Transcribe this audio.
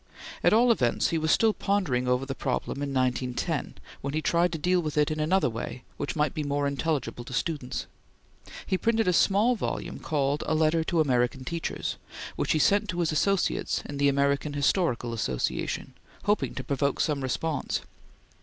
At all events, he was still pondering over the problem in 1910, when he tried to deal with it in another way which might be more intelligible to students. He printed a small volume called "A Letter to American Teachers," which he sent to his associates in the American Historical Association, hoping to provoke some response.